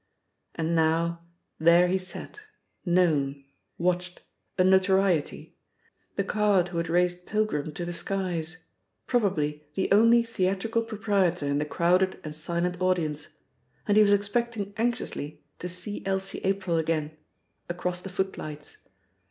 And now, there he sat, known, watched, a notoriety, the card who had raised Pilgrim to the skies, probably the only theatrical proprietor in the crowded and silent audience; and he was expecting anxiously to see Elsie April again across the footlights!